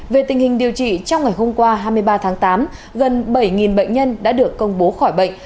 về tình hình điều trị trong ngày hôm qua hai mươi ba tháng tám gần bảy bệnh nhân đã được công bố khỏi bệnh